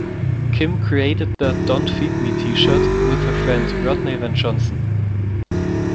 Kym created the "Don't Feed Me" T-shirt with her friend, Rodney Van Johnson.